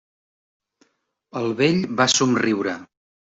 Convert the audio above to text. El vell va somriure.